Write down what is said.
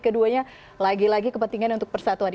keduanya lagi lagi kepentingan untuk persatuan